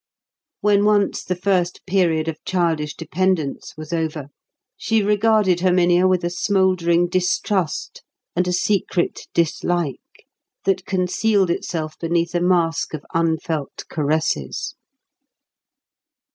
When once the first period of childish dependence was over, she regarded Herminia with a smouldering distrust and a secret dislike that concealed itself beneath a mask of unfelt caresses.